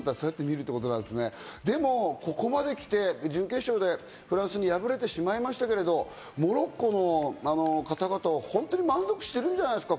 でもここまで来て、準決勝でフランスに敗れてしまいましたけど、モロッコの方々は本当に満足してるんじゃないですか？